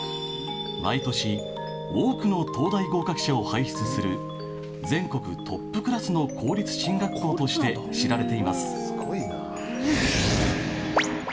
毎年多くの東大合格者を輩出する全国トップクラスの公立進学校として知られています。